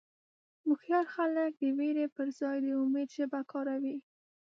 هوښیار خلک د وېرې پر ځای د امید ژبه کاروي.